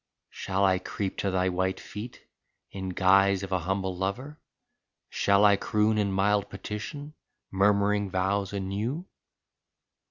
Shall I creep to thy white feet, in guise of a humble lover ? Shall I croon in mild petition, murmuring vows anew?